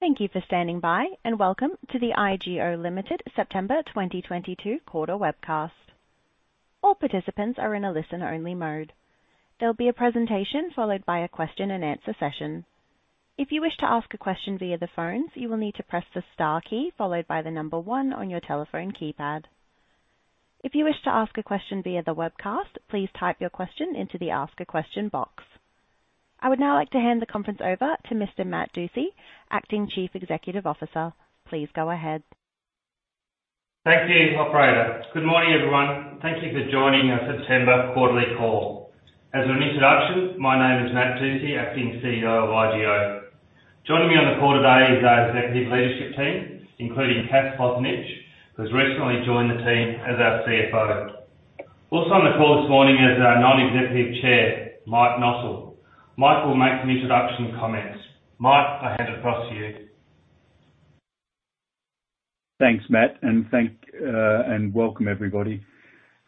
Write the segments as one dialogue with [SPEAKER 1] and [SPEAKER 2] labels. [SPEAKER 1] Thank you for standing by, and welcome to the IGO Ltd September 2022 quarter webcast. All participants are in a listen-only mode. There'll be a presentation followed by a Q&A session. If you wish to ask a question via the phones, you will need to press the star key followed by the number one on your telephone keypad. If you wish to ask a question via the webcast, please type your question into the ask a question box. I would now like to hand the conference over to Mr. Matt Dusci, Acting Chief Executive Officer. Please go ahead.
[SPEAKER 2] Thanks, operator. Good morning, everyone. Thank you for joining our September quarterly call. As an introduction, my name is Matt Dusci, Acting CEO of IGO. Joining me on the call today is our executive leadership team, including Kath Bozanic, who's recently joined the team as our CFO. Also on the call this morning is our Non-Executive Chair, Mike Nossal. Mike will make some introduction comments. Mike, I hand across to you.
[SPEAKER 3] Thanks, Matt, and welcome everybody.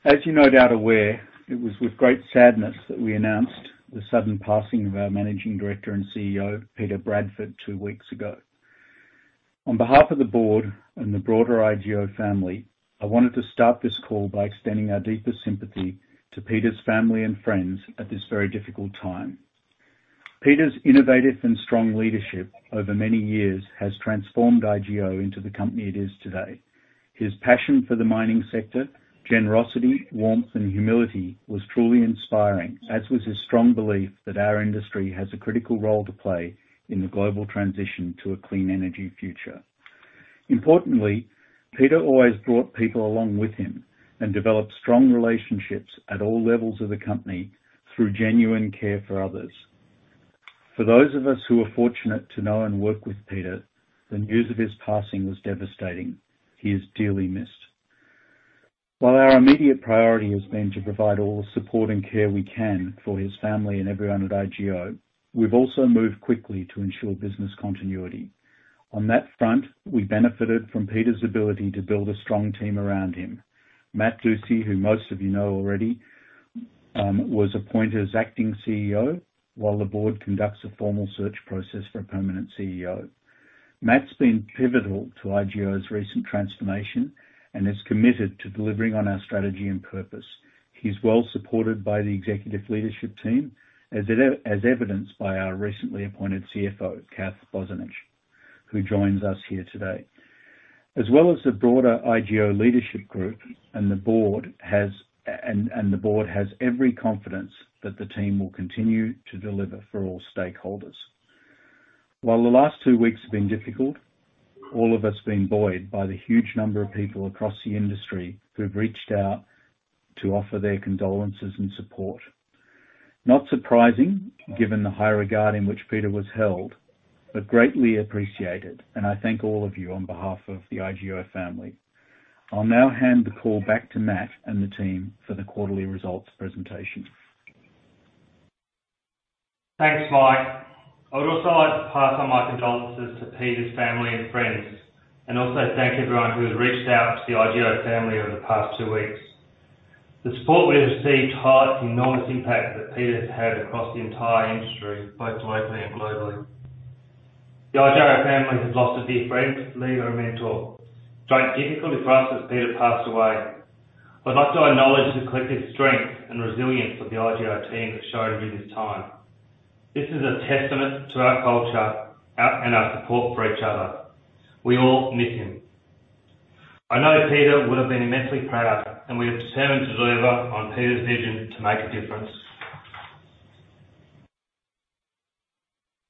[SPEAKER 3] As you're no doubt aware, it was with great sadness that we announced the sudden passing of our Managing Director and CEO, Peter Bradford, two weeks ago. On behalf of the board and the broader IGO family, I wanted to start this call by extending our deepest sympathy to Peter's family and friends at this very difficult time. Peter's innovative and strong leadership over many years has transformed IGO into the company it is today. His passion for the mining sector, generosity, warmth, and humility was truly inspiring, as was his strong belief that our industry has a critical role to play in the global transition to a clean energy future. Importantly, Peter always brought people along with him and developed strong relationships at all levels of the company through genuine care for others. For those of us who are fortunate to know and work with Peter, the news of his passing was devastating. He is dearly missed. While our immediate priority has been to provide all the support and care we can for his family and everyone at IGO, we've also moved quickly to ensure business continuity. On that front, we benefited from Peter's ability to build a strong team around him. Matt Dusci, who most of you know already, was appointed as Acting CEO while the board conducts a formal search process for a permanent CEO. Matt's been pivotal to IGO's recent transformation and is committed to delivering on our strategy and purpose. He's well supported by the executive leadership team, as evidenced by our recently appointed CFO, Kath Bozanic, who joins us here today. As well as the broader IGO leadership group and the board has every confidence that the team will continue to deliver for all stakeholders. While the last two weeks have been difficult, all of us have been buoyed by the huge number of people across the industry who've reached out to offer their condolences and support. Not surprising, given the high regard in which Peter was held, but greatly appreciated, and I thank all of you on behalf of the IGO family. I'll now hand the call back to Matt and the team for the quarterly results presentation.
[SPEAKER 2] Thanks, Mike. I would also like to pass on my condolences to Peter's family and friends. Also thank everyone who has reached out to the IGO family over the past two weeks. The support we have received highlights the enormous impact that Peter has had across the entire industry, both locally and globally. The IGO family has lost a dear friend, leader, and mentor. It has been difficult for us as Peter passed away. I'd like to acknowledge the collective strength and resilience of the IGO team has shown during this time. This is a testament to our culture, and our support for each other. We all miss him. I know Peter would have been immensely proud, and we are determined to deliver on Peter's vision to make a difference.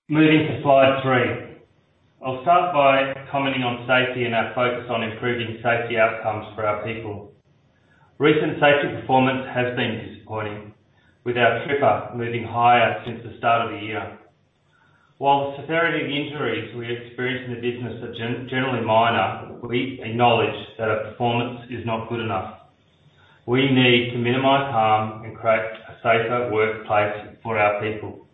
[SPEAKER 2] Moving to slide three. I'll start by commenting on safety and our focus on improving safety outcomes for our people. Recent safety performance has been disappointing. With our TRIFR moving higher since the start of the year. While the severity of injuries we experience in the business are generally minor, we acknowledge that our performance is not good enough. We need to minimize harm and create a safer workplace for our people.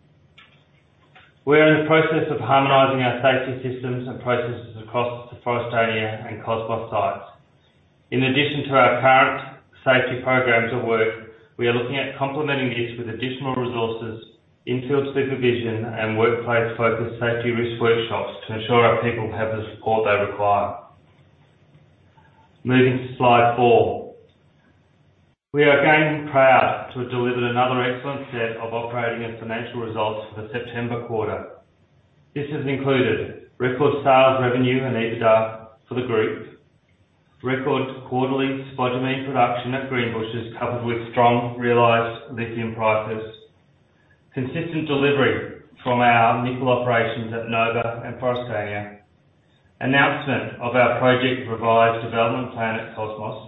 [SPEAKER 2] We are in the process of harmonizing our safety systems and processes across the Forrestania and Cosmos sites. In addition to our current safety programs of work, we are looking at complementing this with additional resources, in-field supervision, and workplace-focused safety risk workshops to ensure our people have the support they require. Moving to slide four. We are again proud to have delivered another excellent set of operating and financial results for the September quarter. This has included record sales, revenue, and EBITDA for the group. Record quarterly spodumene production at Greenbushes, coupled with strong realized lithium prices. Consistent delivery from our nickel operations at Nova and Forrestania. Announcement of our project revised development plan at Cosmos.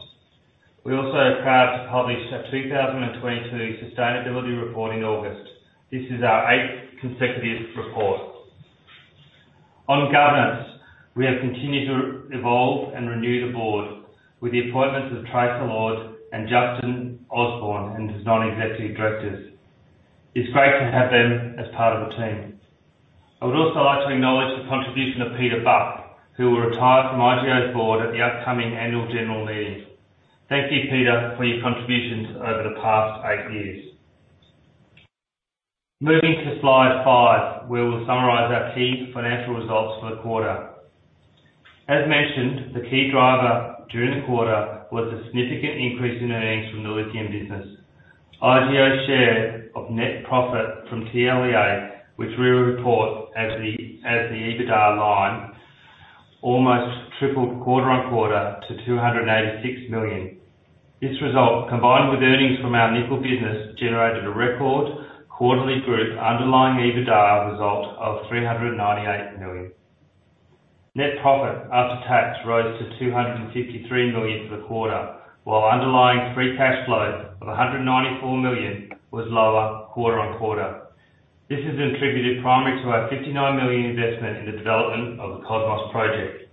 [SPEAKER 2] We're also proud to publish our 2022 sustainability report in August. This is our eighth consecutive report. On governance, we have continued to evolve and renew the board with the appointments of Tracey Lord and Justin Osborne into non-executive directors. It's great to have them as part of the team. I would also like to acknowledge the contribution of Peter Bilbe, who will retire from IGO's board at the upcoming annual general meeting. Thank you, Peter, for your contributions over the past eight years. Moving to slide five, where we'll summarize our key financial results for the quarter. As mentioned, the key driver during the quarter was a significant increase in earnings from the lithium business. IGO share of net profit from TLEA, which we will report as the EBITDA line, almost tripled quarter-over-quarter to 286 million. This result, combined with earnings from our nickel business, generated a record quarterly group underlying EBITDA result of AUD 398 million. Net profit after tax rose to AUD 253 million for the quarter, while underlying free cash flow of AUD 194 million was lower quarter-over-quarter. This is attributed primarily to our AUD 59 million investment in the development of the Cosmos project.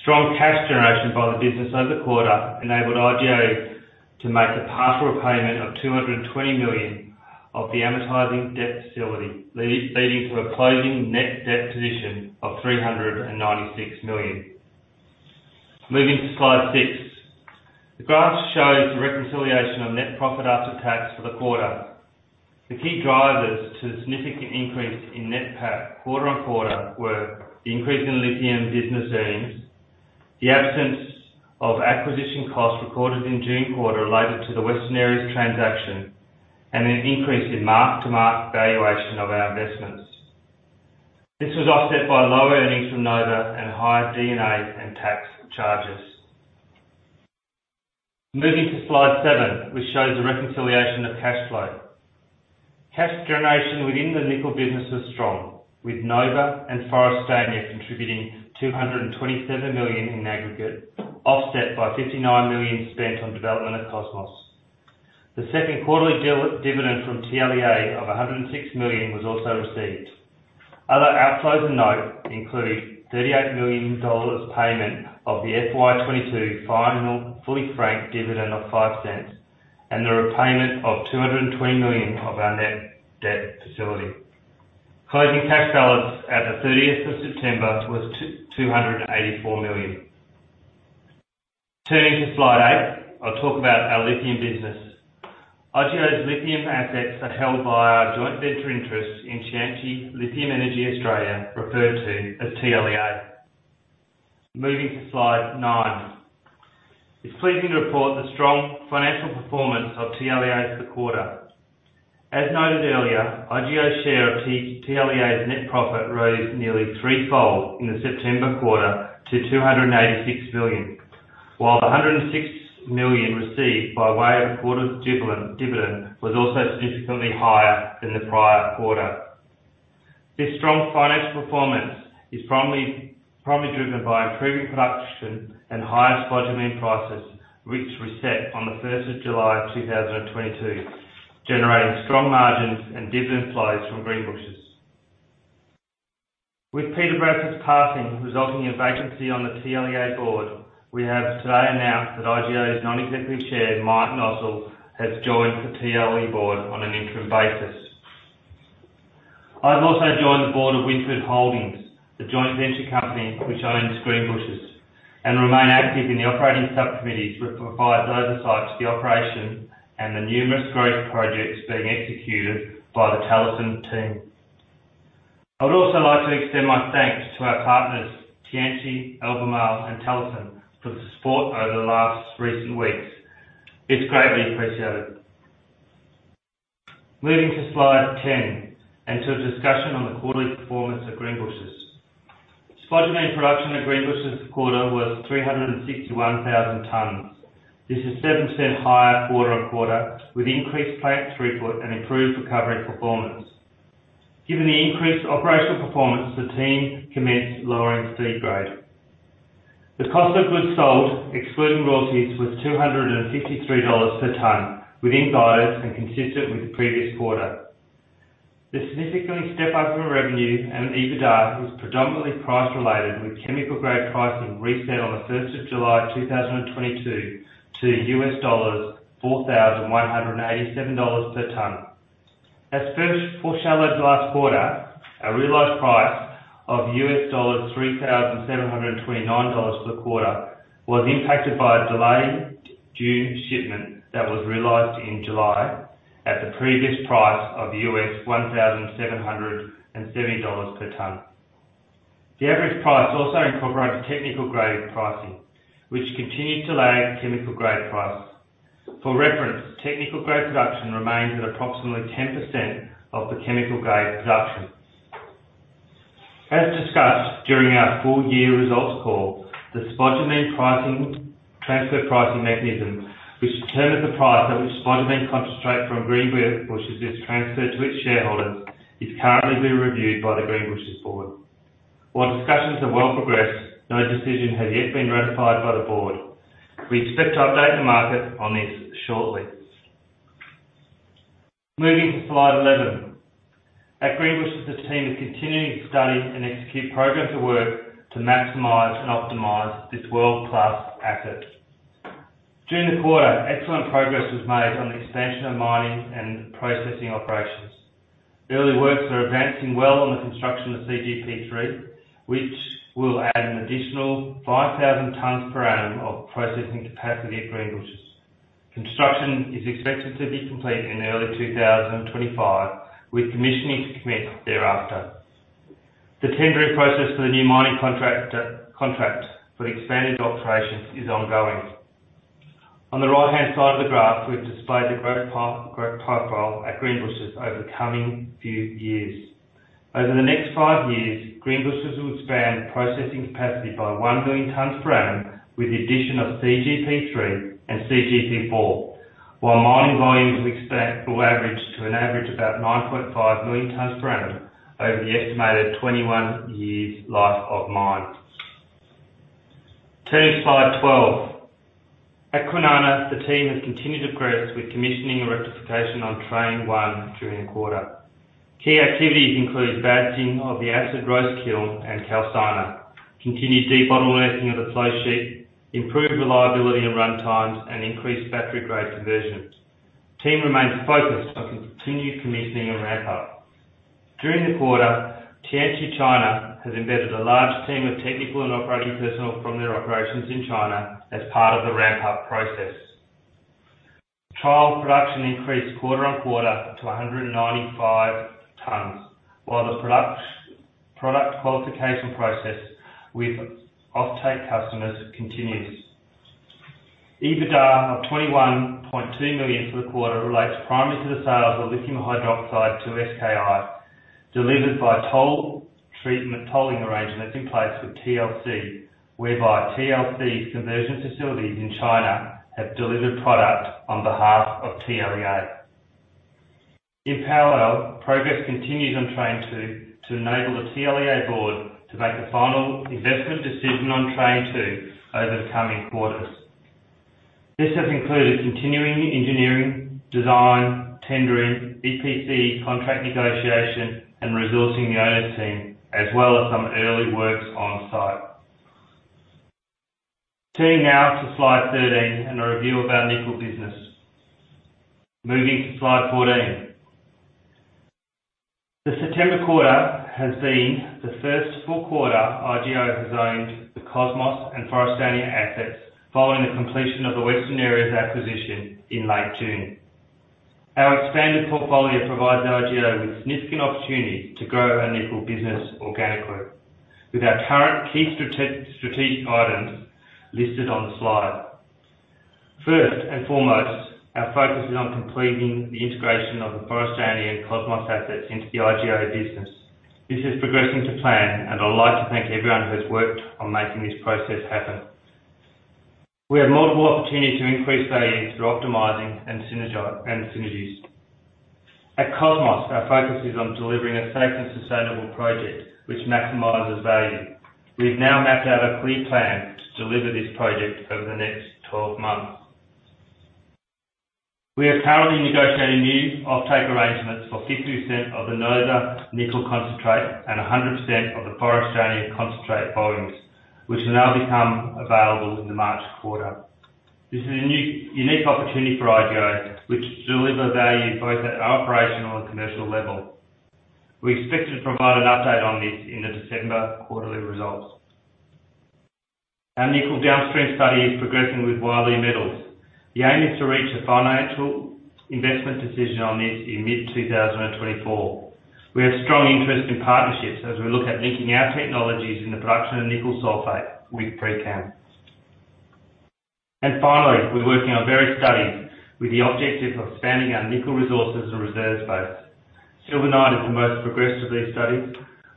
[SPEAKER 2] Strong cash generation by the business over the quarter enabled IGO to make a partial repayment of 220 million of the amortizing debt facility, leading to a closing net debt position of 396 million. Moving to slide six. The graph shows the reconciliation of net profit after tax for the quarter. The key drivers to the significant increase in net PAT quarter on quarter were the increase in lithium business earnings, the absence of acquisition costs recorded in June quarter related to the Western Areas transaction, and an increase in mark-to-market valuation of our investments. This was offset by lower earnings from Nova and higher D&A and tax charges. Moving to slide seven, which shows the reconciliation of cash flow. Cash generation within the nickel business was strong, with Nova and Forrestania contributing 227 million in aggregate, offset by 59 million spent on development at Cosmos. The second quarterly dividend from TLEA of 106 million was also received. Other outflows to note include 38 million dollars payment of the FY 2022 final fully franked dividend of 0.05 and the repayment of 220 million of our net debt facility. Closing cash balance at the 30th of September was 284 million. Turning to slide eight, I'll talk about our lithium business. IGO's lithium assets are held by our joint venture interest in Tianqi Lithium Energy Australia, referred to as TLEA. Moving to slide nine. It's pleasing to report the strong financial performance of TLEA for the quarter. As noted earlier, IGO's share of TLEA's net profit rose nearly threefold in the September quarter to 286 million. While the 106 million received by way of a quarterly dividend was also significantly higher than the prior quarter. This strong financial performance is primarily driven by improving production and higher spodumene prices, which reset on the 1st July 2022, generating strong margins and dividend flows from Greenbushes. With Peter Bradford's passing resulting in vacancy on the TLEA board, we have today announced that IGO's Non-Executive Chair, Mike Nossal, has joined the TLEA board on an interim basis. I've also joined the board of Windfield Holdings, the joint venture company which owns Greenbushes, and remain active in the operating sub-committees which provides oversight to the operation and the numerous growth projects being executed by the Talison team. I would also like to extend my thanks to our partners, Tianqi, Albemarle and Talison, for the support over the last recent weeks. It's greatly appreciated. Moving to slide 10 and to a discussion on the quarterly performance of Greenbushes. Spodumene production at Greenbushes this quarter was 361,000 tons. This is 7% higher quarter-on-quarter, with increased plant throughput and improved recovery performance. Given the increased operational performance, the team commenced lowering spod grade. The cost of goods sold, excluding royalties, was 253 dollars per tonne within guidance and consistent with the previous quarter. The significant step-up in revenue and EBITDA was predominantly price related, with chemical grade pricing reset on the 1st July 2022 to $4,187 per tonne. As first foreshadowed last quarter, our realized price of $3,729 per tonne was impacted by a delayed June shipment that was realized in July at the previous price of $1,770 per tonne. The average price also incorporates technical grade pricing, which continued to lag chemical grade prices. For reference, technical grade production remains at approximately 10% of the chemical grade production. As discussed during our full year results call, the spodumene pricing transfer pricing mechanism, which determines the price at which spodumene concentrate from Greenbushes is transferred to its shareholders, is currently being reviewed by the Greenbushes board. While discussions have well progressed, no decision has yet been ratified by the board. We expect to update the market on this shortly. Moving to slide 11. At Greenbushes, the team is continuing to study and execute programs of work to maximize and optimize this world-class asset. During the quarter, excellent progress was made on the expansion of mining and processing operations. Early works are advancing well on the construction of CGP3, which will add an additional 5,000 tons per annum of processing capacity at Greenbushes. Construction is expected to be complete in early 2025, with commissioning to commence thereafter. The tendering process for the new mining contractor, contract for the expanded operations is ongoing. On the right-hand side of the graph, we've displayed the growth profile at Greenbushes over the coming few years. Over the next 5 years, Greenbushes will expand processing capacity by 1 million tons per annum with the addition of CGP3 and CGP4, while mining volumes will average to an average of about 9.5 million tons per annum over the estimated 21 years life of mine. Turning to slide 12. At Kwinana, the team has continued to progress with commissioning and rectification on train 1 during the quarter. Key activities include batching of the acid roast kiln and calciner, continued debottlenecking of the flow sheet, improved reliability and run times, and increased battery grade conversion. Team remains focused on continued commissioning and ramp up. During the quarter, Tianqi China has embedded a large team of technical and operating personnel from their operations in China as part of the ramp up process. Trial production increased quarter-on-quarter to 195 tons, while the product qualification process with offtake customers continues. EBITDA of 21.2 million for the quarter relates primarily to the sales of lithium hydroxide to SKI, delivered by toll treatment tolling arrangements in place with TLC, whereby TLC's conversion facilities in China have delivered product on behalf of TLEA. In parallel, progress continues on train two to enable the TLEA board to make a final investment decision on train two over the coming quarters. This has included continuing engineering, design, tendering, EPC contract negotiation, and resourcing the owner's team, as well as some early works on site. Turning now to slide 13 and a review of our nickel business. Moving to slide 14. The September quarter has been the first full quarter IGO has owned the Cosmos and Forrestania assets following the completion of the Western Areas acquisition in late June. Our expanded portfolio provides IGO with significant opportunities to grow our nickel business organically with our current key strategic items listed on the slide. First and foremost, our focus is on completing the integration of the Forrestania and Cosmos assets into the IGO business. This is progressing to plan, and I'd like to thank everyone who has worked on making this process happen. We have multiple opportunities to increase values through optimizing and synergies. At Cosmos, our focus is on delivering a safe and sustainable project which maximizes value. We've now mapped out a clear plan to deliver this project over the next 12 months. We are currently negotiating new offtake arrangements for 50% of the Nova nickel concentrate and 100% of the Forrestania concentrate volumes, which will now become available in the March quarter. This is a new, unique opportunity for IGO, which will deliver value both at our operational and commercial level. We expect to provide an update on this in the December quarterly results. Our nickel downstream study is progressing with Wyloo Metals. The aim is to reach a financial investment decision on this in mid-2024. We have strong interest in partnerships as we look at linking our technologies in the production of nickel sulfate with pre-CAM. Finally, we're working on various studies with the objective of expanding our nickel resources and reserves base. Silver Knight is the most progressed of these studies,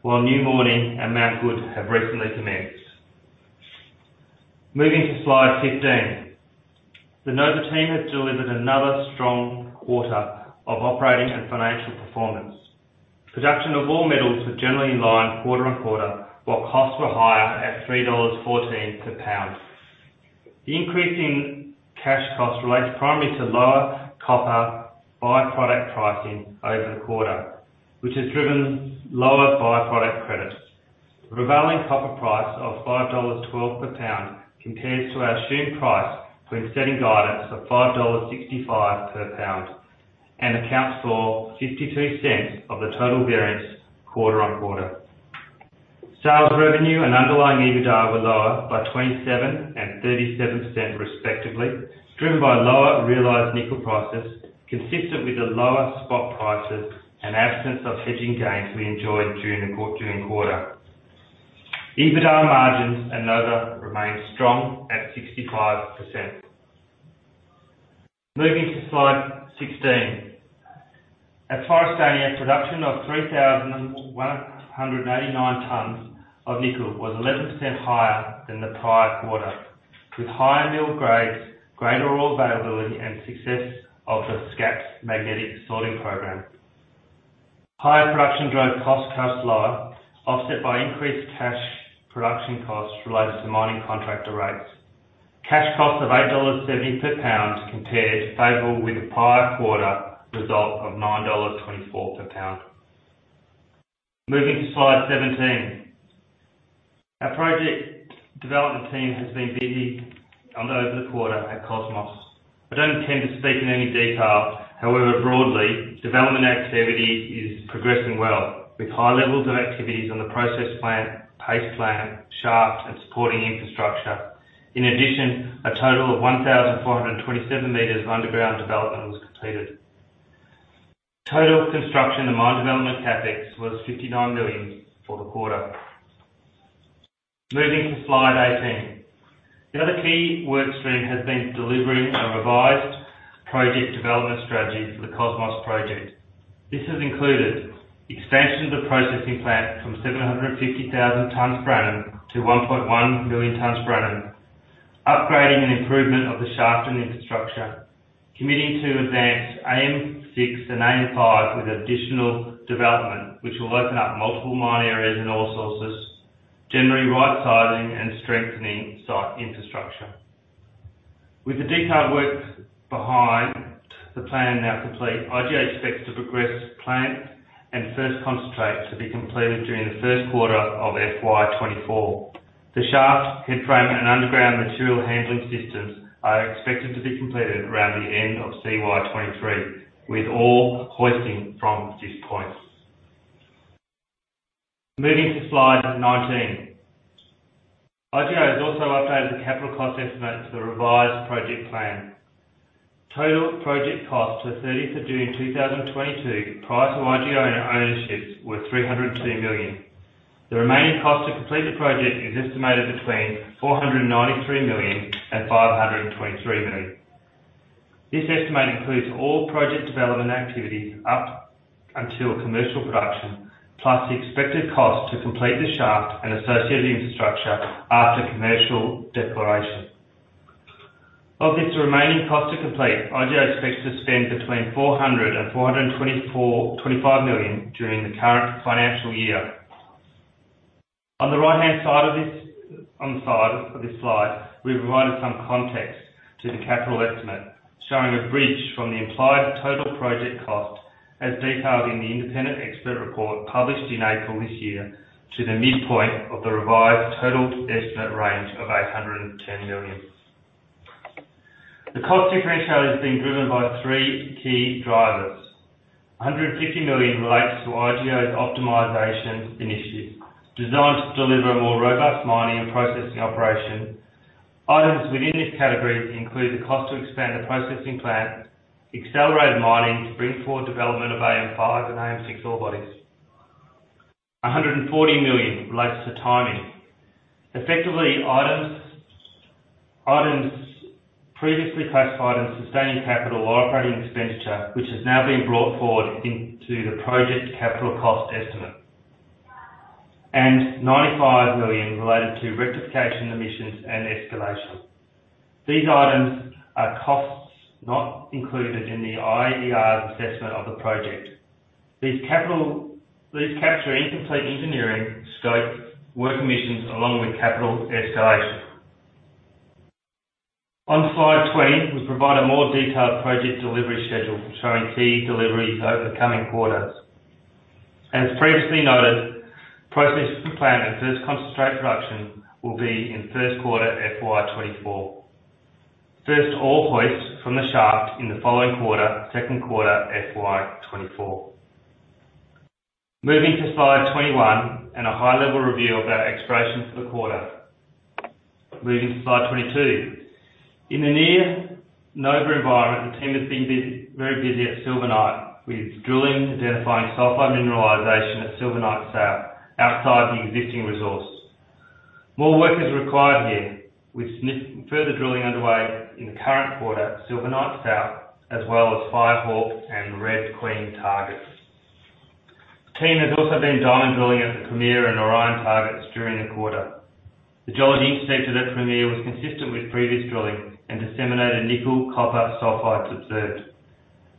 [SPEAKER 2] while New Morning and Mt Goode have recently commenced. Moving to slide 15. The Nova team has delivered another strong quarter of operating and financial performance. Production of all metals was generally in line quarter-on-quarter, while costs were higher at $3.04 per pound. The increase in cash costs relates primarily to lower copper by-product pricing over the quarter, which has driven lower by-product credits. The prevailing copper price of $5.12 per pound compares to our assumed price when setting guidance of $5.65 per pound and accounts for $0.62 of the total variance quarter-on-quarter. Sales revenue and underlying EBITDA were lower by 27% and 37% respectively, driven by lower realized nickel prices, consistent with the lower spot prices and absence of hedging gains we enjoyed during the quarter. EBITDA margins at Nova remain strong at 65%. Moving to slide 16. At Forrestania, production of 3,199 tons of nickel was 11% higher than the prior quarter, with higher mill grades, greater ore availability, and success of the SCAPS magnetic sorting program. Higher production drove costs lower, offset by increased cash production costs related to mining contractor rates. Cash costs of $8.70 per pound compared favorably with the prior quarter result of $9.24 per pound. Moving to slide 17. Our project development team has been busy over the quarter at Cosmos. I don't intend to speak in any detail. However, broadly, development activity is progressing well, with high levels of activities on the process plant, paste plant, shaft and supporting infrastructure. In addition, a total of 1,427 m of underground development was completed. Total construction and mine development CapEx was 59 million for the quarter. Moving to slide 18. The other key work stream has been delivering a revised project development strategy for the Cosmos Project. This has included expansion of the processing plant from 750,000 tons per annum to 1.1 million tons per annum. Upgrading and improvement of the shaft and infrastructure. Committing to advance AM6 with additional development, which will open up multiple mine areas and all sources. Generally right sizing and strengthening site infrastructure. With the detailed work behind the plan now complete, IGO expects to progress plant and first concentrate to be completed during the first quarter of FY 2024. The shaft headframe and underground material handling systems are expected to be completed around the end of CY 2023, with all hoisting from this point. Moving to slide 19. IGO has also updated the capital cost estimate to the revised project plan. Total project cost to 13th of June, 2022, prior to IGO ownership was 302 million. The remaining cost to complete the project is estimated between 493 million and 523 million. This estimate includes all project development activities up until commercial production, plus the expected cost to complete the shaft and associated infrastructure after commercial declaration. Of this remaining cost to complete, IGO expects to spend between 400 million and 425 million during the current financial year. On the right-hand side of this, on the side of this slide, we've provided some context to the capital estimate, showing a bridge from the implied total project cost as detailed in the independent expert report published in April this year to the midpoint of the revised total estimate range of 810 million. The cost differential is being driven by three key drivers. 150 million relates to IGO's optimization initiative designed to deliver a more robust mining and processing operation. Items within this category include the cost to expand the processing plant, accelerated mining to bring forward development of AM5 and AM6 orebodies. 140 million relates to timing. Effectively, items previously classified in sustaining capital or operating expenditure, which has now been brought forward into the project capital cost estimate. 95 million related to rectification omissions and escalation. These items are costs not included in the IER's assessment of the project. These capture incomplete engineering, scope work omissions, along with capital escalation. On slide 20, we provide a more detailed project delivery schedule showing key deliveries over the coming quarters. As previously noted, process plant and first concentrate production will be in first quarter FY 2024. First ore hoist from the shaft in the following quarter, second quarter FY 2024. Moving to slide 21 and a high-level review of our exploration for the quarter. Moving to slide 22. In the Nova environment, the team has been busy, very busy at Silver Knight with drilling, identifying sulfide mineralization at Silver Knight South, outside the existing resource. More work is required here, with further drilling underway in the current quarter at Silver Knight South, as well as Firehawk and Red Queen targets. The team has also been diamond drilling at the Premier and Orion targets during the quarter. The geology intersected at Premier was consistent with previous drilling and disseminated nickel copper sulfides observed.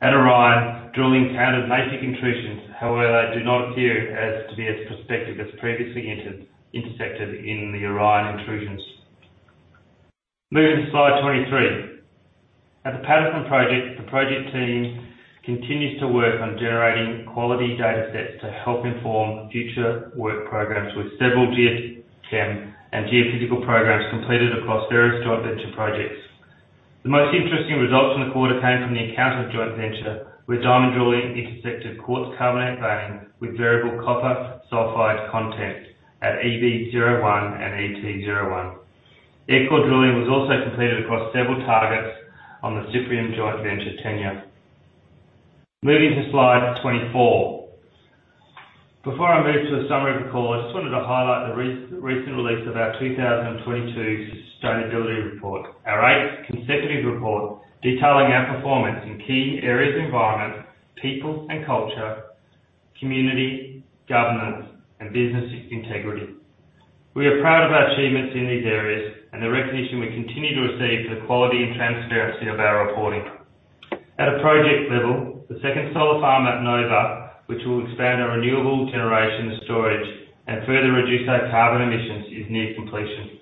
[SPEAKER 2] At Orion, drilling encountered major intrusions, however, they do not appear to be as prospective as previously intersected in the Orion intrusions. Moving to slide 23. At the Paterson Project, the project team continues to work on generating quality data sets to help inform future work programs, with several geochem and geophysical programs completed across various joint venture projects. The most interesting results from the quarter came from the Encounter joint venture, where diamond drilling intersected quartz carbonate vein with variable copper sulfide content at EV01 and ET01. Aircore drilling was also completed across several targets on the Cyprium joint venture tenure. Moving to slide 24. Before I move to a summary of the call, I just wanted to highlight the recent release of our 2022 sustainability report. Our eighth consecutive report detailing our performance in key areas of environment, people and culture, community, governance, and business integrity. We are proud of our achievements in these areas and the recognition we continue to receive for the quality and transparency of our reporting. At a project level, the second solar farm at Nova, which will expand our renewable generation storage and further reduce our carbon emissions, is near completion.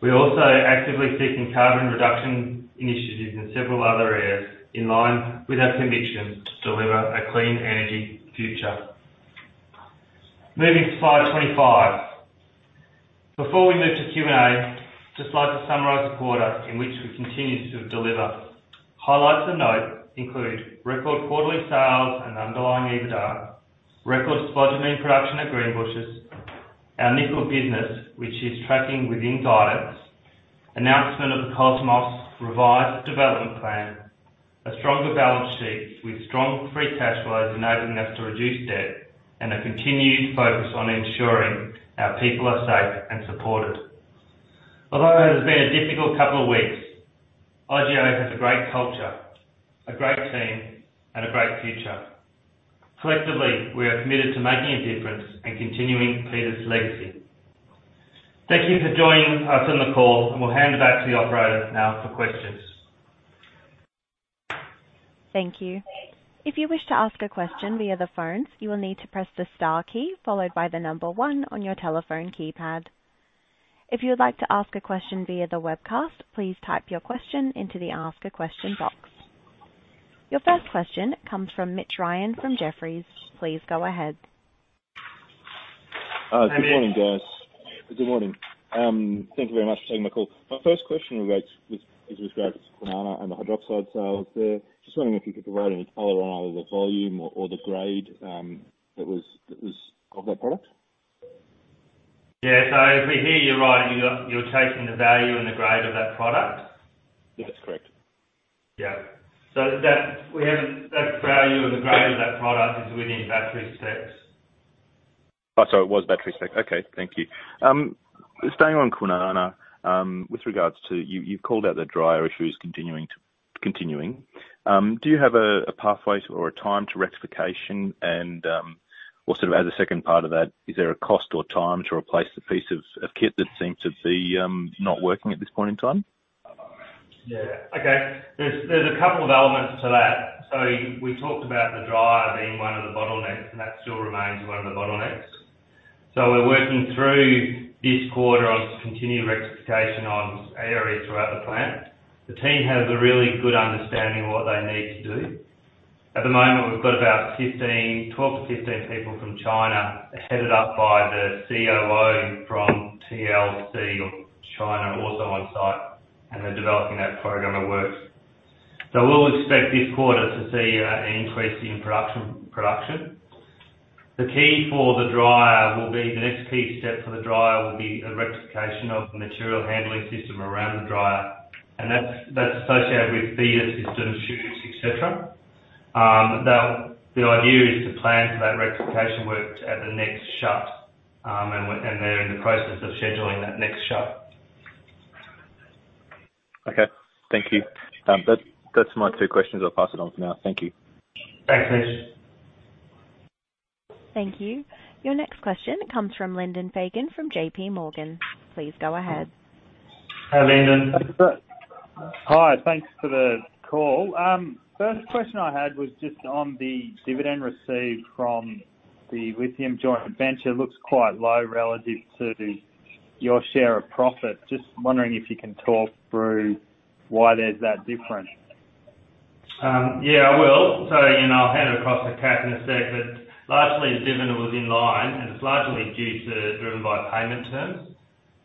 [SPEAKER 2] We're also actively seeking carbon reduction initiatives in several other areas in line with our conviction to deliver a clean energy future. Moving to slide 25. Before we move to Q&A, just like to summarize the quarter in which we continue to deliver. Highlights to note include record quarterly sales and underlying EBITDA, record spodumene production at Greenbushes, our nickel business, which is tracking within guidance, announcement of the Cosmos revised development plan, a stronger balance sheet with strong free cash flows enabling us to reduce debt and a continued focus on ensuring our people are safe and supported. Although it has been a difficult couple of weeks, IGO has a great culture, a great team, and a great future. Collectively, we are committed to making a difference and continuing Peter's legacy. Thank you for joining us on the call, and we'll hand it back to the operator now for questions.
[SPEAKER 1] Thank you. If you wish to ask a question via the phones, you will need to press the star key followed by the number one on your telephone keypad. If you would like to ask a question via the webcast, please type your question into the ask a question box. Your first question comes from Mitch Ryan from Jefferies. Please go ahead.
[SPEAKER 4] Good morning, guys. Good morning. Thank you very much for taking my call. My first question relates to Kwinana and the hydroxide sales there. Just wondering if you could provide any color on either the volume or the grade that was of that product.
[SPEAKER 2] Yeah. If we hear you right, you're chasing the value and the grade of that product?
[SPEAKER 4] Yes, that's correct.
[SPEAKER 2] Yeah. That we have that value and the grade of that product is within battery specs.
[SPEAKER 4] Oh, sorry, it was battery spec. Okay, thank you. Staying on Kwinana, with regards to you've called out the dryer issue is continuing. Do you have a pathway to or a time to rectification and, or sort of as a second part of that, is there a cost or time to replace the piece of kit that seems to be not working at this point in time?
[SPEAKER 2] Yeah. Okay. There's a couple of elements to that. We talked about the dryer being one of the bottlenecks, and that still remains one of the bottlenecks. We're working through this quarter on continued rectification on areas throughout the plant. The team has a really good understanding of what they need to do. At the moment, we've got about 12-15 people from China, headed up by the COO from TLEA of China, also on-site, and they're developing that program of works. We'll expect this quarter to see an increase in production. The next key step for the dryer will be a rectification of the material handling system around the dryer, and that's associated with feeder systems, chutes, et cetera. The idea is to plan for that rectification work at the next shut, and they're in the process of scheduling that next shut.
[SPEAKER 4] Okay. Thank you. That's my two questions. I'll pass it on for now. Thank you.
[SPEAKER 2] Thanks, Mitch.
[SPEAKER 1] Thank you. Your next question comes from Lyndon Fagan from JPMorgan. Please go ahead.
[SPEAKER 2] Hi, Lyndon.
[SPEAKER 5] Hi. Thanks for the call. First question I had was just on the dividend received from the lithium joint venture. It looks quite low relative to your share of profit. Just wondering if you can talk through why there's that difference.
[SPEAKER 2] Yeah, I will. You know, I'll hand it across to Kat in a sec. Largely the dividend was in line, and it's largely driven by payment terms.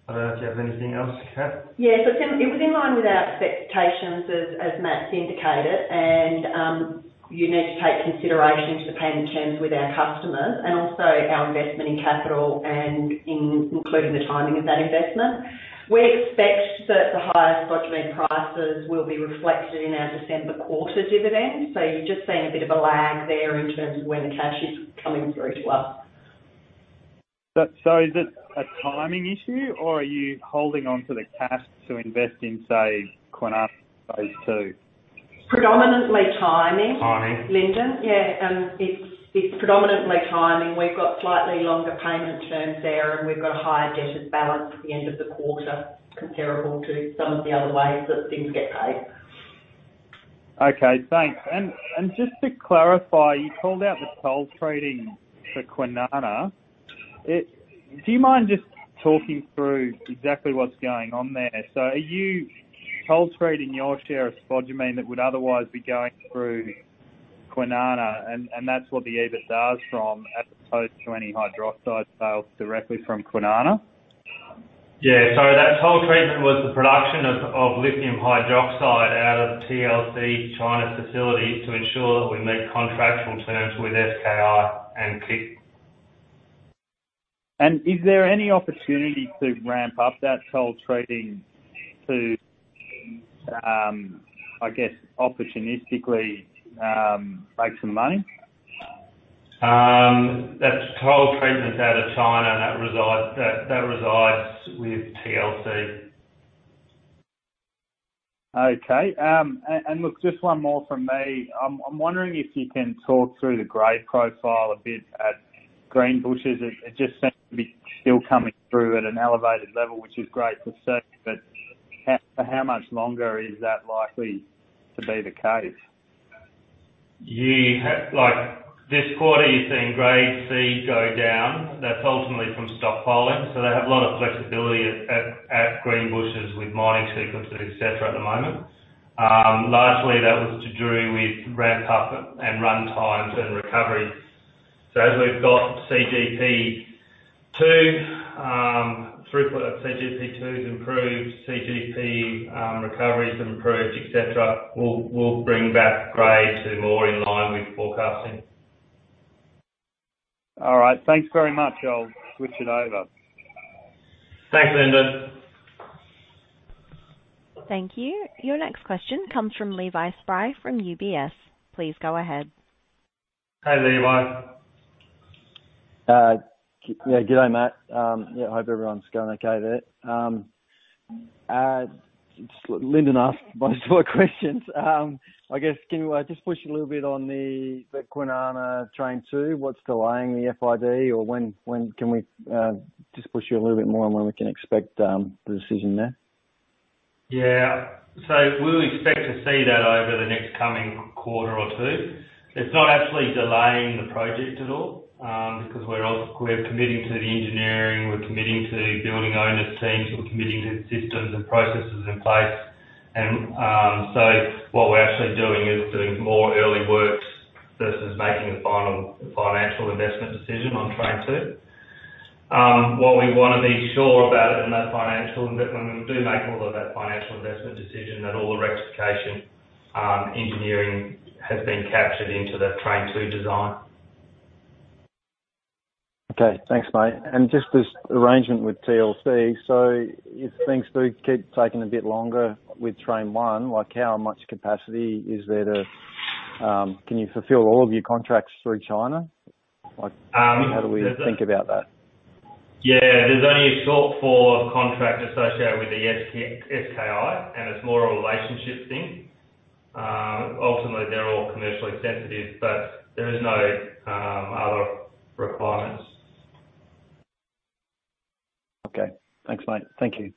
[SPEAKER 2] I don't know if you have anything else, Kath.
[SPEAKER 6] Yeah. It was in line with our expectations as Matt's indicated, and you need to take into consideration the payment terms with our customers and also our investment in CapEx, including the timing of that investment. We expect that the higher spodumene prices will be reflected in our December quarter dividend. You're just seeing a bit of a lag there in terms of when the cash is coming through to us.
[SPEAKER 5] Is it a timing issue, or are you holding onto the cash to invest in, say, Kwinana phase II?
[SPEAKER 6] Predominantly timing.
[SPEAKER 5] Timing.
[SPEAKER 6] Yeah. It's predominantly timing. We've got slightly longer payment terms there, and we've got a higher debtors balance at the end of the quarter comparable to some of the other ways that things get paid.
[SPEAKER 5] Okay, thanks. Just to clarify, you called out the toll treating for Kwinana. Do you mind just talking through exactly what's going on there? Are you toll treating your share of spodumene that would otherwise be going through Kwinana and that's what the EBITDA is from, as opposed to any hydroxide sales directly from Kwinana?
[SPEAKER 2] Yeah. That toll treatment was the production of lithium hydroxide out of the TLC China facility to ensure that we meet contractual terms with SKI and Pick.
[SPEAKER 5] Is there any opportunity to ramp up that toll treating to, I guess, opportunistically, make some money?
[SPEAKER 2] That's toll treatment out of China, and that resides with TLEA.
[SPEAKER 5] Okay. And look, just one more from me. I'm wondering if you can talk through the grade profile a bit at Greenbushes. It just seems to be still coming through at an elevated level, which is great to see. How much longer is that likely to be the case?
[SPEAKER 2] Like this quarter, you've seen grade C go down. That's ultimately from stockpiling. They have a lot of flexibility at Greenbushes with mining sequences, et cetera, at the moment. Largely that was to do with ramp up and run times and recovery. As we've got CGP2, throughput at CGP2 is improved, CGP recovery is improved, et cetera. We'll bring back grade to more in line with forecasting.
[SPEAKER 5] All right. Thanks very much. I'll switch it over.
[SPEAKER 2] Thanks, Lyndon.
[SPEAKER 1] Thank you. Your next question comes from Levi Spry from UBS. Please go ahead.
[SPEAKER 2] Hey, Levi.
[SPEAKER 7] Yeah, good day, Matt. Yeah, hope everyone's going okay there. Linden asked my sort of questions. I guess can we just push a little bit on the Kwinana train 2, what's delaying the FID or when can we just push you a little bit more on when we can expect the decision there.
[SPEAKER 2] We'll expect to see that over the next coming quarter or two. It's not actually delaying the project at all, because we're committing to the engineering, we're committing to building owner teams, we're committing to systems and processes in place. What we're actually doing is doing more early works versus making a final financial investment decision on train two. What we wanna be sure about in that financial investment, when we do make all of that financial investment decision, that all the rectification engineering has been captured into the train two design.
[SPEAKER 7] Okay. Thanks, mate. Just this arrangement with TLEA. If things do keep taking a bit longer with Train 1, like how much capacity is there to can you fulfill all of your contracts through China? Like
[SPEAKER 2] Um.
[SPEAKER 7] How do we think about that?
[SPEAKER 2] Yeah. There's only a shortfall of contract associated with the SKI, and it's more a relationship thing. Ultimately, they're all commercially sensitive, but there is no other requirements.
[SPEAKER 7] Okay. Thanks, Matt. Thank you.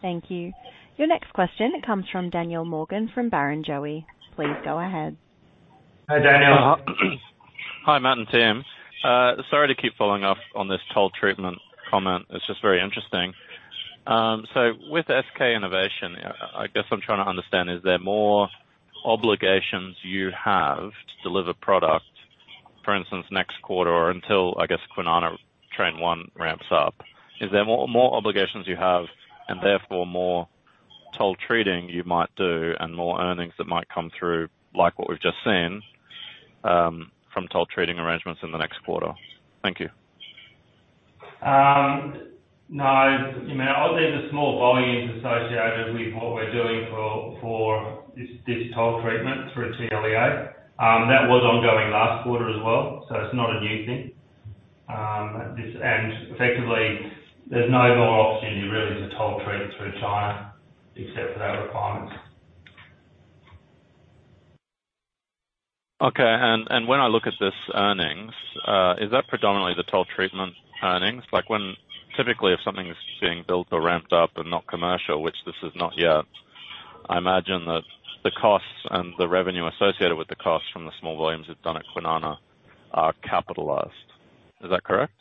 [SPEAKER 1] Thank you. Your next question comes from Daniel Morgan, from Barrenjoey. Please go ahead.
[SPEAKER 2] Hi, Daniel.
[SPEAKER 8] Hi, Matt and team. Sorry to keep following up on this toll treatment comment. It's just very interesting. So with SK Innovation, I guess I'm trying to understand, is there more obligations you have to deliver product, for instance, next quarter or until, I guess, Kwinana Train 1 ramps up? Is there more obligations you have and therefore more toll treating you might do and more earnings that might come through, like what we've just seen, from toll treating arrangements in the next quarter? Thank you.
[SPEAKER 2] No. You know, there's a small volume associated with what we're doing for this toll treatment through TLEA. That was ongoing last quarter as well, so it's not a new thing. Effectively, there's no more opportunity really to toll treat through China except for that requirement.
[SPEAKER 8] Okay. When I look at this earnings, is that predominantly the toll treatment earnings? Typically, if something's being built or ramped up and not commercial, which this is not yet, I imagine that the costs and the revenue associated with the costs from the small volumes you've done at Kwinana are capitalized. Is that correct?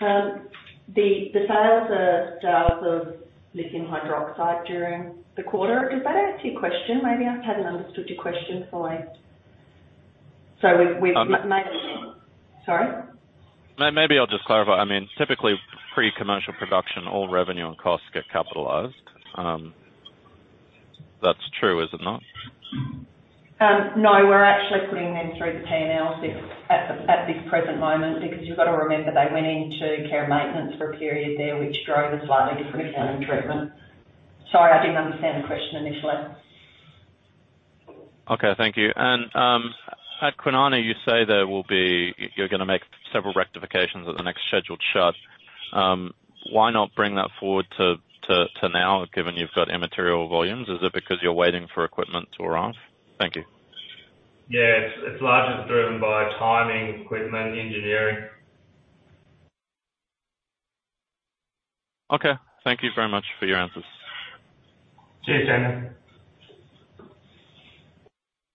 [SPEAKER 6] The sales are 12 of lithium hydroxide during the quarter. Does that answer your question? Maybe I hadn't understood your question fully.
[SPEAKER 8] Um.
[SPEAKER 6] Sorry.
[SPEAKER 8] Maybe I'll just clarify. I mean, typically pre-commercial production, all revenue and costs get capitalized. That's true, is it not?
[SPEAKER 6] No. We're actually putting them through the P&L at this present moment because you've got to remember they went into care and maintenance for a period there which drove a slightly different accounting treatment. Sorry, I didn't understand the question initially.
[SPEAKER 8] Okay, thank you. At Kwinana, you say you're gonna make several rectifications at the next scheduled shut. Why not bring that forward to now, given you've got immaterial volumes? Is it because you're waiting for equipment to arrive? Thank you.
[SPEAKER 2] Yeah. It's largely driven by timing, equipment, engineering.
[SPEAKER 8] Okay. Thank you very much for your answers.
[SPEAKER 2] Cheers, Daniel.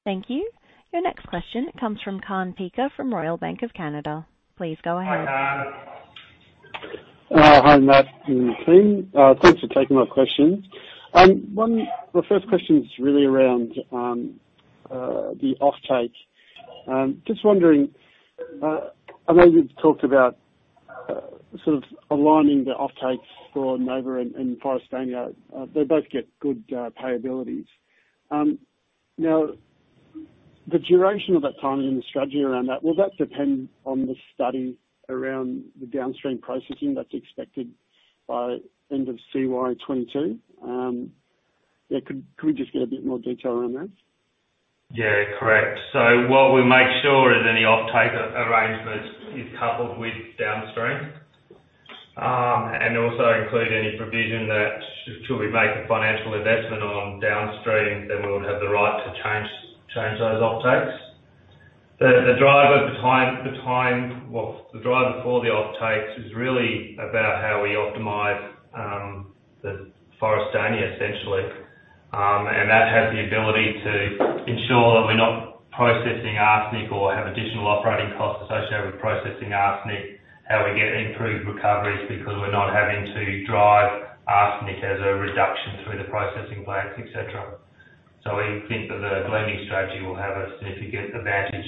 [SPEAKER 1] Thank you. Your next question comes from Kaan Peker from Royal Bank of Canada. Please go ahead.
[SPEAKER 2] Hi, Kaan.
[SPEAKER 9] Hi, Matt and team. Thanks for taking my question. The first question is really around the offtake. Just wondering, I know you've talked about sort of aligning the offtakes for Nova and Forrestania. They both get good payabilities. Now the duration of that timing and the strategy around that, will that depend on the study around the downstream processing that's expected by end of CY 2022? Yeah. Could we just get a bit more detail around that?
[SPEAKER 2] Yeah, correct. What we make sure is any offtake arrangement is coupled with downstream, and also include any provision that should we make a financial investment on downstream, then we would have the right to change those offtakes. The driver for the offtakes is really about how we optimize the Forrestania, essentially. That has the ability to ensure that we're not processing arsenic or have additional operating costs associated with processing arsenic. How we get improved recoveries because we're not having to drive arsenic as a reduction through the processing plants, et cetera. We think that the blending strategy will have a significant advantage,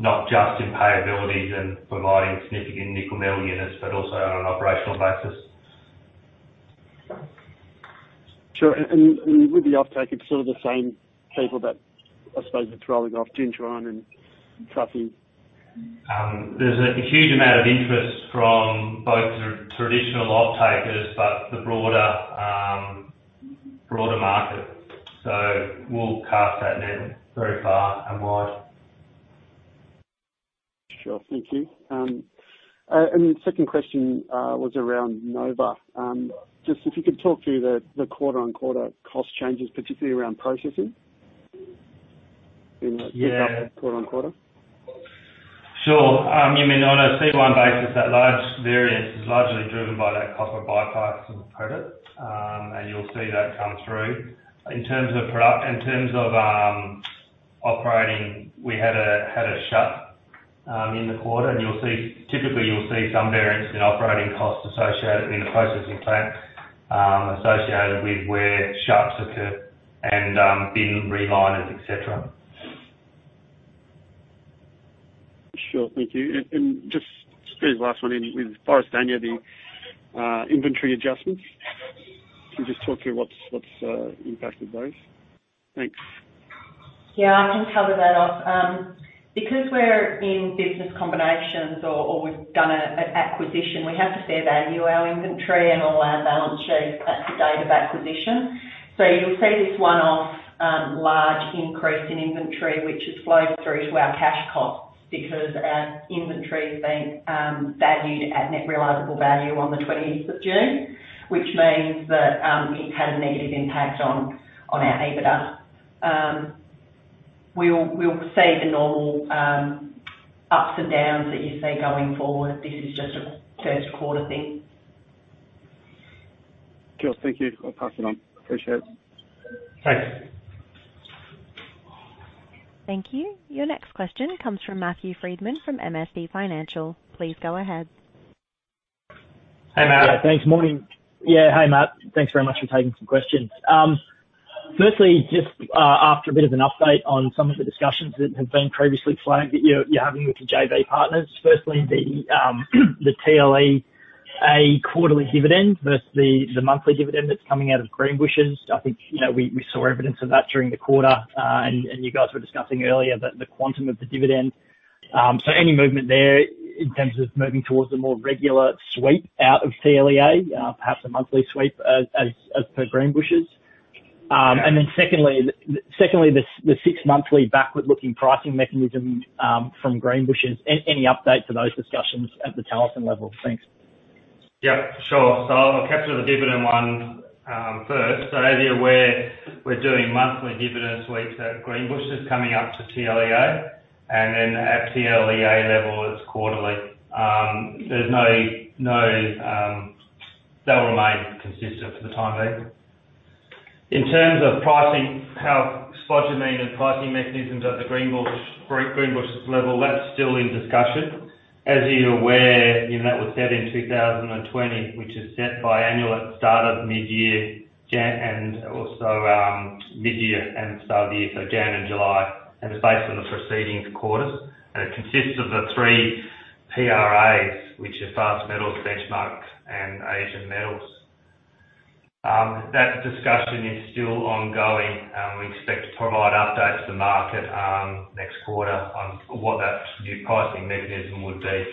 [SPEAKER 2] not just in payabilities and providing significant nickel metal units, but also on an operational basis.
[SPEAKER 9] Sure. With the offtake, it's sort of the same people that I suppose it's rolling off Jinchuan and Trafigura.
[SPEAKER 2] There's a huge amount of interest from both traditional offtakers, but the broader market. We'll cast that net very far and wide.
[SPEAKER 9] Sure. Thank you. The second question was around Nova. Just if you could talk through the quarter-on-quarter cost changes, particularly around processing quarter-on-quarter.
[SPEAKER 2] Sure. You mean on a C1 basis, that large variance is largely driven by that copper by-pass credit. You'll see that come through. In terms of operating, we had a shut in the quarter. You'll see some variance in operating costs associated in the processing plant, associated with where shuts occur and bin reliners, et cetera.
[SPEAKER 9] Sure. Thank you. Just last one. In with Forrestania, the inventory adjustments. Can you just talk through what's impacted those? Thanks.
[SPEAKER 6] Yeah, I can cover that off. Because we're in business combinations or we've done an acquisition, we have to fair value our inventory and all our balance sheets at the date of acquisition. You'll see this one-off large increase in inventory, which has flowed through to our cash costs because our inventory has been valued at net realizable value on the twentieth of June, which means that it had a negative impact on our EBITDA. We'll see the normal ups and downs that you see going forward. This is just a first quarter thing.
[SPEAKER 9] Cool. Thank you. I'll pass it on. Appreciate it.
[SPEAKER 2] Thanks.
[SPEAKER 1] Thank you. Your next question comes from Matthew Frydman from MST Financial. Please go ahead.
[SPEAKER 2] Hey, Matt.
[SPEAKER 10] Thanks. Morning. Yeah. Hey, Matt. Thanks very much for taking some questions. Firstly, just after a bit of an update on some of the discussions that have been previously flagged that you're having with your JV partners. Firstly, the TLEA quarterly dividend versus the monthly dividend that's coming out of Greenbushes. I think, you know, we saw evidence of that during the quarter, and you guys were discussing earlier that the quantum of the dividend, so any movement there in terms of moving towards a more regular sweep out of TLEA, perhaps a monthly sweep as per Greenbushes. And then secondly, the six monthly backward-looking pricing mechanism from Greenbushes. Any update to those discussions at the Talison level? Thanks.
[SPEAKER 2] Yeah, sure. I'll capture the dividend one first. As you're aware, we're doing monthly dividend sweeps at Greenbushes coming up to TLEA, and then at TLEA level, it's quarterly. That will remain consistent for the time being. In terms of pricing, how spodumene and pricing mechanisms at the Greenbushes level, that's still in discussion. As you're aware, you know, that was set in 2020, which is set biannual at start of mid-year, January, and also, mid-year and start of the year, so January and July. It's based on the preceding quarters. It consists of the three PRAs, which are Fastmarkets, Benchmark, and Asian Metal. That discussion is still ongoing. We expect to provide updates to the market next quarter on what that new pricing mechanism would be.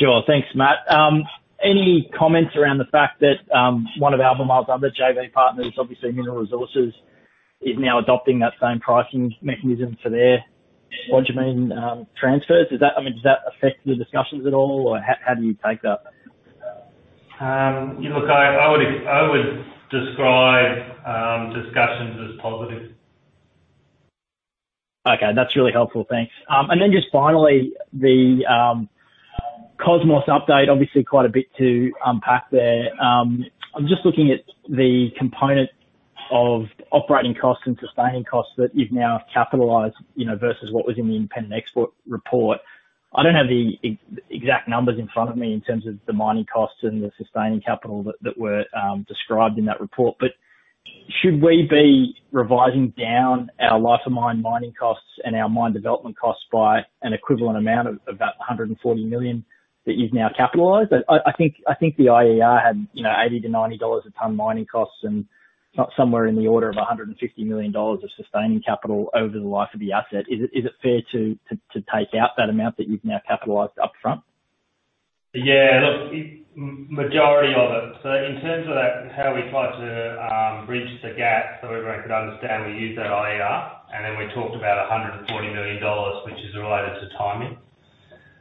[SPEAKER 10] Sure. Thanks, Matt. Any comments around the fact that one of Albemarle's other JV partners, obviously Mineral Resources, is now adopting that same pricing mechanism for their spodumene transfers? Does that, I mean, affect the discussions at all? Or how do you take that?
[SPEAKER 2] Look, I would describe discussions as positive.
[SPEAKER 10] Okay. That's really helpful. Thanks. Just finally, the Cosmos update, obviously quite a bit to unpack there. I'm just looking at the component of operating costs and sustaining costs that you've now capitalized, you know, versus what was in the independent expert report. I don't have the exact numbers in front of me in terms of the mining costs and the sustaining capital that were described in that report. Should we be revising down our life of mine mining costs and our mine development costs by an equivalent amount of about 140 million that you've now capitalized? I think the IER had, you know, 80-90 dollars a ton mining costs and up somewhere in the order of 150 million dollars of sustaining capital over the life of the asset. Is it fair to take out that amount that you've now capitalized upfront?
[SPEAKER 2] Yeah. Look, majority of it. In terms of that, how we tried to bridge the gap so everyone could understand, we used that IER, and then we talked about 140 million dollars, which is related to timing.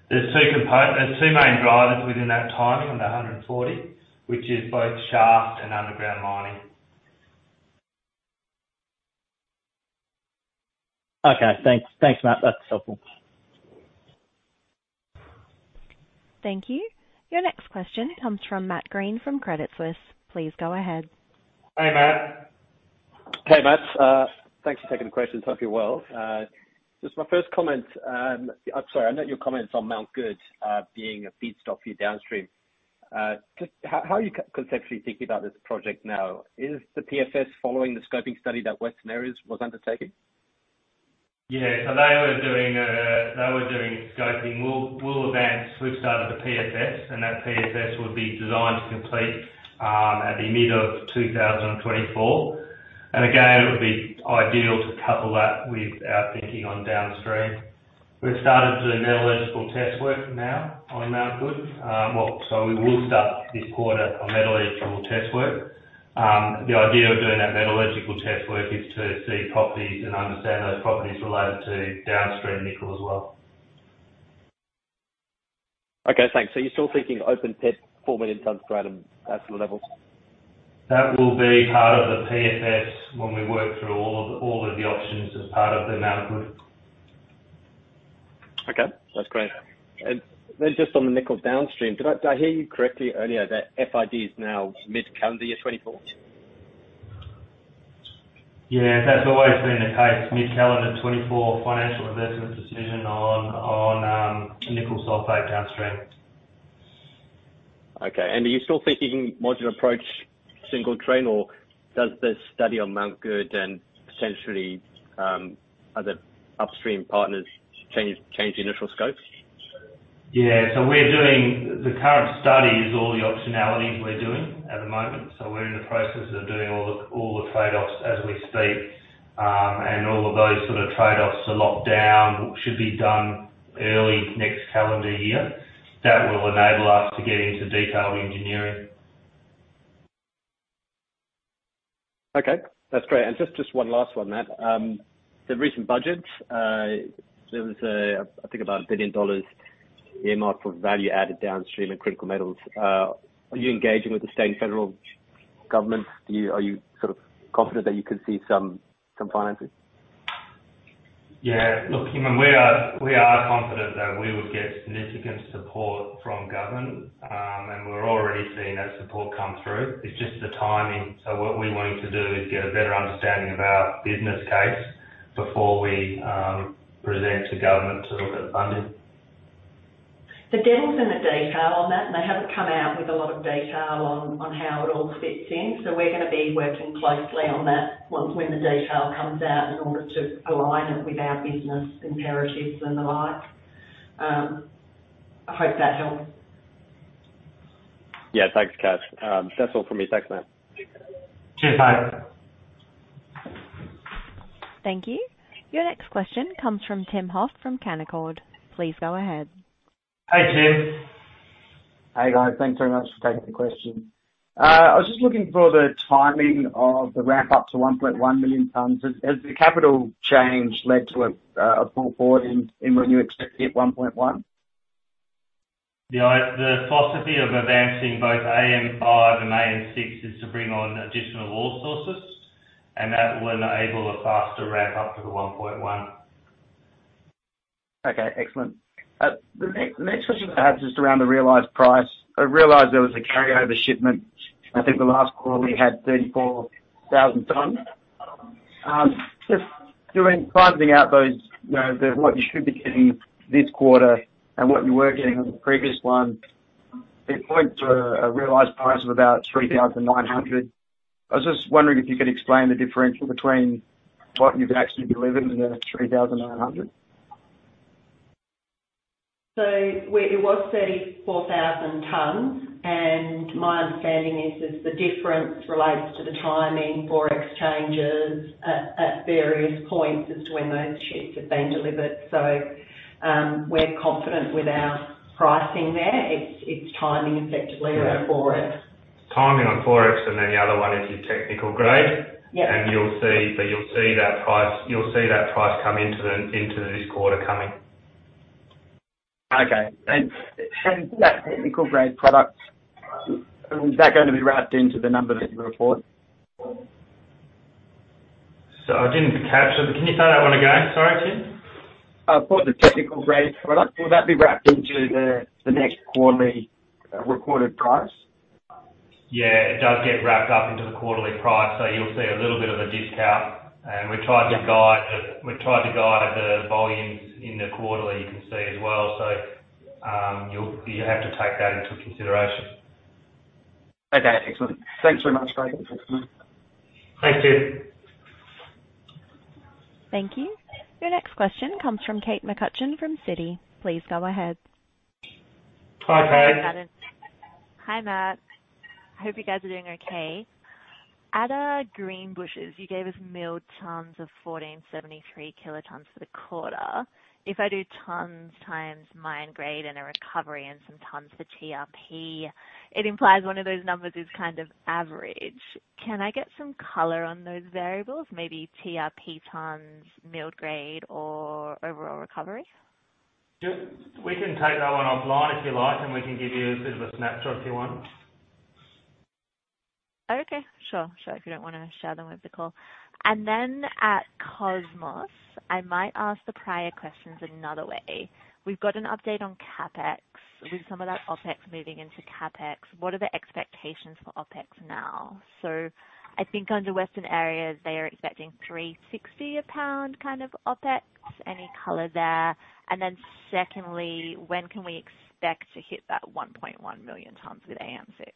[SPEAKER 2] There's two main drivers within that timing on the 140 million, which is both shaft and underground mining.
[SPEAKER 10] Okay, thanks. Thanks, Matt. That's helpful.
[SPEAKER 1] Thank you. Your next question comes from Matt Greene from Credit Suisse. Please go ahead.
[SPEAKER 2] Hey, Matt.
[SPEAKER 11] Hey, Matt. Thanks for taking the question. Hope you're well. Just my first comment, I'm sorry, I note your comments on Mt Goode, being a feedstock for you downstream. Just how are you conceptually thinking about this project now? Is the PFS following the scoping study that Western Areas was undertaking?
[SPEAKER 2] Yeah. They were doing scoping. We'll advance. We've started the PFS, and that PFS will be designed to complete at the mid of 2024. Again, it would be ideal to couple that with our thinking on downstream. We've started to do metallurgical test work now on Mt Goode. We will start this quarter on metallurgical test work. The idea of doing that metallurgical test work is to see properties and understand those properties related to downstream nickel as well.
[SPEAKER 11] Okay, thanks. You're still thinking open pit, 4 million tons grade at sort of levels?
[SPEAKER 2] That will be part of the PFS when we work through all of the options as part of the Mt Goode.
[SPEAKER 11] Okay, that's great. Just on the nickel downstream, did I hear you correctly earlier that FID is now mid-calendar year 2024?
[SPEAKER 2] Yeah, that's always been the case. Mid-calendar 2024 financial investment decision on nickel sulfate downstream.
[SPEAKER 11] Okay. Are you still thinking modular approach, single train, or does the study on Mt Goode and potentially, other upstream partners change the initial scopes?
[SPEAKER 2] The current study is all the optionalities we're doing at the moment. We're in the process of doing all the trade-offs as we speak. All of those sort of trade-offs are locked down, should be done early next calendar year. That will enable us to get into detailed engineering.
[SPEAKER 11] Okay, that's great. Just one last one, Matt. The recent budget, there was, I think, about 1 billion dollars earmarked for value-added downstream and critical metals. Are you engaging with the state and federal government? Are you sort of confident that you could see some financing?
[SPEAKER 2] Yeah. Look, human, we are confident that we would get significant support from government, and we're already seeing that support come through. It's just the timing. What we want to do is get a better understanding of our business case before we present to government to look at funding.
[SPEAKER 6] Dan's in the detail on that, and they haven't come out with a lot of detail on how it all fits in. We're gonna be working closely on that once when the detail comes out in order to align it with our business imperatives and the like. I hope that helps.
[SPEAKER 11] Yeah. Thanks, kath. That's all for me. Thanks, Matt.
[SPEAKER 2] Cheers, Matt.
[SPEAKER 1] Thank you. Your next question comes from Tim Hoff from Canaccord. Please go ahead.
[SPEAKER 2] Hey, Tim.
[SPEAKER 12] Hey, guys. Thanks very much for taking the question. I was just looking for the timing of the ramp up to 1.1 million tons. Has the capital change led to a pull forward in when you expect to hit 1.1?
[SPEAKER 2] The philosophy of advancing both AM5 and AM6 is to bring on additional ore sources, and that will enable a faster ramp up to the 1.1.
[SPEAKER 12] Okay, excellent. The next question I have is just around the realized price. I realized there was a carryover shipment. I think the last quarter we had 34,000 tons. Just doing, pricing out those, what you should be getting this quarter and what you were getting on the previous one, it points to a realized price of about $3,900. I was just wondering if you could explain the differential between what you've actually delivered and the $3,900.
[SPEAKER 6] It was 34,000 tons, and my understanding is the difference relates to the timing, forex changes at various points as to when those ships have been delivered. We're confident with our pricing there. It's timing effectively around forex.
[SPEAKER 2] Timing on forex, and then the other one is your technical grade.
[SPEAKER 6] Yeah.
[SPEAKER 2] You'll see that price come into this quarter coming.
[SPEAKER 12] Okay. That technical grade product, is that gonna be wrapped into the numbers that you report?
[SPEAKER 2] I didn't capture that. Can you say that one again? Sorry, Tim.
[SPEAKER 12] For the technical grade product, will that be wrapped into the next quarterly recorded price?
[SPEAKER 2] Yeah, it does get wrapped up into the quarterly price. You'll see a little bit of a discount. We tried to guide the volumes in the quarterly you can see as well. You have to take that into consideration.
[SPEAKER 12] Okay. Excellent. Thanks very much. Great. Thanks so much.
[SPEAKER 2] Thanks, Tim.
[SPEAKER 1] Thank you. Your next question comes from Kate McCutcheon from Citi. Please go ahead.
[SPEAKER 2] Hi, Kate.
[SPEAKER 13] Hi, Matt. I hope you guys are doing okay. At Greenbushes, you gave us milled tons of 1,473 kilotons for the quarter. If I do tons times mine grade and a recovery and some tons for TRP, it implies one of those numbers is kind of average. Can I get some color on those variables? Maybe TRP tons, milled grade or overall recovery?
[SPEAKER 2] Yep. We can take that one offline if you like, and we can give you a bit of a snapshot if you want.
[SPEAKER 13] Okay, sure. If you don't wanna share them with the call. At Cosmos, I might ask the prior questions another way. We've got an update on CapEx. With some of that OpEx moving into CapEx, what are the expectations for OpEx now? I think under Western Areas, they are expecting $360 a pound kind of OpEx. Any color there? Secondly, when can we expect to hit that 1.1 million tons with AM6?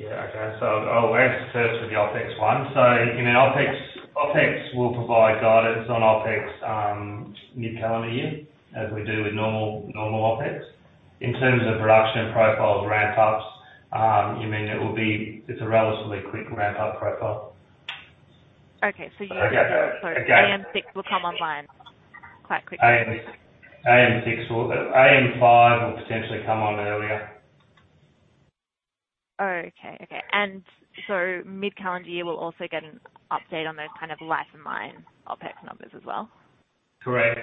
[SPEAKER 2] Yeah, okay. I'll answer first with the OpEx one. In our OpEx will provide guidance on OpEx mid-calendar year as we do with normal OpEx. In terms of production profiles ramp-ups, you mean it will be. It's a relatively quick ramp-up profile.
[SPEAKER 13] Okay.
[SPEAKER 2] Okay.
[SPEAKER 13] AM6 will come online quite quickly.
[SPEAKER 2] AM5 will potentially come on earlier.
[SPEAKER 13] Okay, okay. Mid-calendar year, we'll also get an update on those kind of life of mine OpEx numbers as well?
[SPEAKER 2] Correct.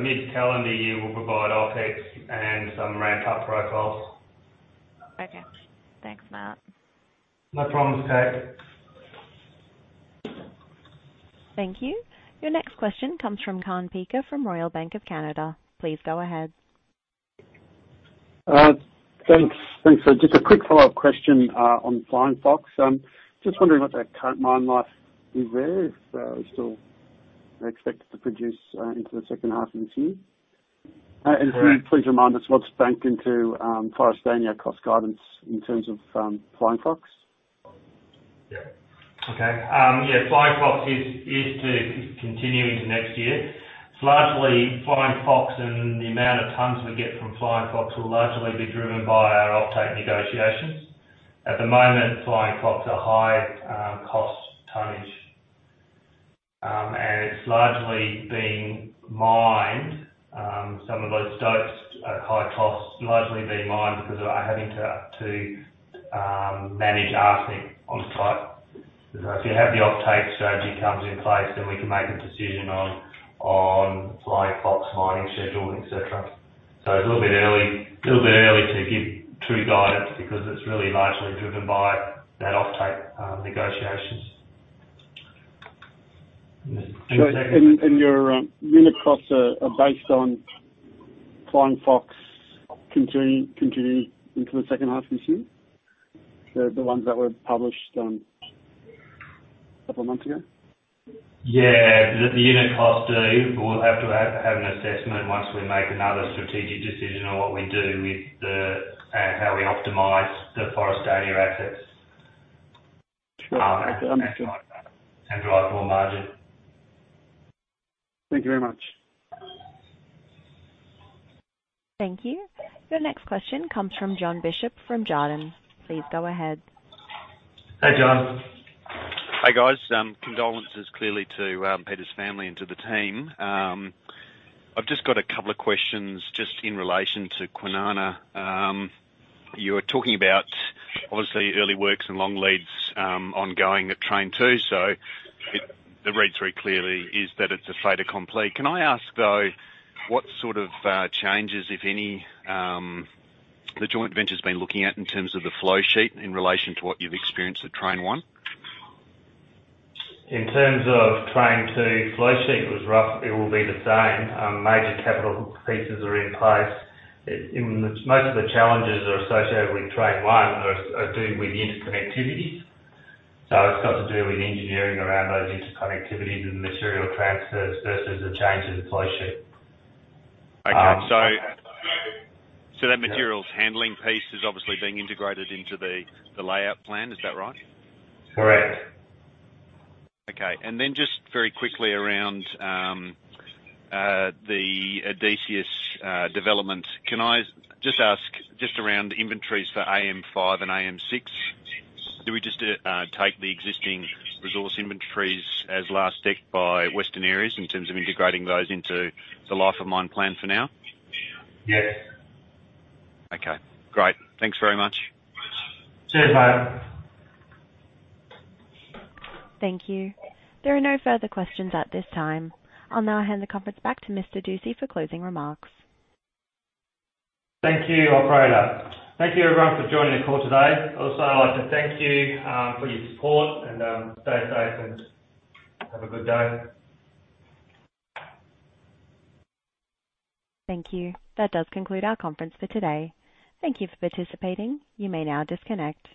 [SPEAKER 2] Mid-calendar year, we'll provide OpEx and some ramp-up profiles.
[SPEAKER 13] Okay. Thanks, Matt.
[SPEAKER 2] No problems, Kate.
[SPEAKER 1] Thank you. Your next question comes from Kaan Peker from Royal Bank of Canada. Please go ahead.
[SPEAKER 9] Thanks. Just a quick follow-up question on Flying Fox. Just wondering what that current mine life is there. If we still expect to produce into the second half of this year.
[SPEAKER 2] Correct.
[SPEAKER 9] Can you please remind us what's banked into Forrestania cost guidance in terms of Flying Fox?
[SPEAKER 2] Yeah. Okay. Yeah, Flying Fox is to continue into next year. It's largely Flying Fox and the amount of tons we get from Flying Fox will largely be driven by our offtake negotiations. At the moment, Flying Fox are high cost tonnage. It's largely being mined, some of those stopes at high costs largely being mined because we are having to manage arsenic on site. If the offtake strategy comes into place, then we can make a decision on Flying Fox mining schedule, et cetera. It's a little bit early to give true guidance because it's really largely driven by that offtake negotiations.
[SPEAKER 9] Your unit costs are based on Flying Fox continuing into the second half of this year? They're the ones that were published a couple of months ago.
[SPEAKER 2] Yeah. The unit costs do. We'll have to have an assessment once we make another strategic decision on what we do with and how we optimize the Forrestania assets.
[SPEAKER 9] Sure.
[SPEAKER 2] Drive more margin.
[SPEAKER 9] Thank you very much.
[SPEAKER 1] Thank you. Your next question comes from Jon Bishop from Jarden. Please go ahead.
[SPEAKER 2] Hey, Jon.
[SPEAKER 14] Hey, guys. Condolences clearly to Peter's family and to the team. I've just got a couple of questions just in relation to Kwinana. You were talking about obviously early works and long leads ongoing at Train Two. The read through clearly is that it's a fait accompli. Can I ask though, what sort of changes, if any, the joint venture's been looking at in terms of the flow sheet in relation to what you've experienced at Train One?
[SPEAKER 2] In terms of Train Two flow sheet was rough, it will be the same. Major capital pieces are in place. It, and most of the challenges are associated with Train One, are doing with interconnectivity. It's got to do with engineering around those interconnectivities and material transfers versus the change in the flow sheet.
[SPEAKER 14] Okay. That materials handling piece is obviously being integrated into the layout plan. Is that right?
[SPEAKER 2] Correct.
[SPEAKER 14] Okay. Just very quickly around the Odysseus development. Can I just ask around the inventories for AM5 and AM6? Do we just take the existing resource inventories as last updated by Western Areas in terms of integrating those into the life of mine plan for now?
[SPEAKER 2] Yes.
[SPEAKER 14] Okay. Great. Thanks very much.
[SPEAKER 2] Cheers, mate.
[SPEAKER 1] Thank you. There are no further questions at this time. I'll now hand the conference back to Mr. Dusci for closing remarks.
[SPEAKER 2] Thank you, operator. Thank you everyone for joining the call today. I'd also like to thank you for your support and stay safe and have a good day.
[SPEAKER 1] Thank you. That does conclude our conference for today. Thank you for participating. You may now disconnect.